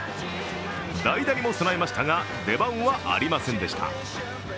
代打にも備えましたが、出番はありませんでした。